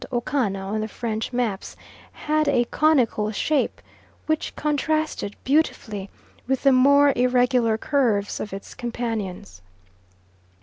Okana on the French maps, had a conical shape which contrasted beautifully with the more irregular curves of its companions.